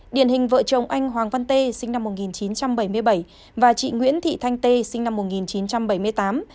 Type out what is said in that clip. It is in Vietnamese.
điển hình vợ chồng anh hoàng văn tê sinh năm một nghìn chín trăm bảy mươi bảy và chị nguyễn thị thanh tê sinh năm một nghìn chín trăm bảy mươi tám